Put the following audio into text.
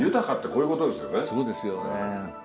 そうですよね。